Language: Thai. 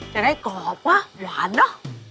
จะได้กรอบว่ะหวานเนอะ